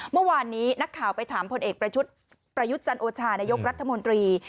เมื่อวานนี้นักข่าวไปถามพลเอกประยุทธ์จันโอชานายกรัฐมนตรี